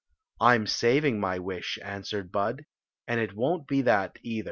"I m saving my wish," answered Bini "and it won't be that, eitho"."